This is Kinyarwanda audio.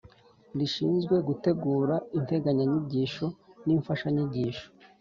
rishinzwe gutegura integanyanyigisho n’imfashanyigisho